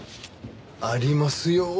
ありますよ